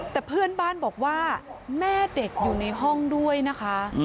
แต่เพื่อนบ้านบอกว่าแม่เด็กอยู่ในห้องด้วยนะคะ